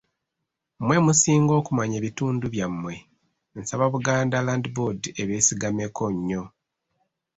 Mmwe musinga okumanya ebitundu byammwe nsaba Buganda Land Board ebeesigameko nnyo.